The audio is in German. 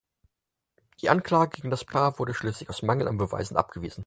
Die Anklage gegen das Paar wurde schließlich aus Mangel an Beweisen abgewiesen.